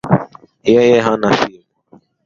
Yeye hana simu